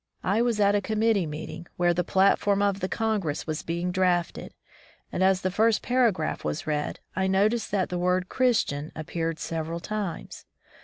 I was at a committee meeting where the platform of the Congress was being drafted, and as the first paragraph was read, I noticed that the word "Christian" appeared several times.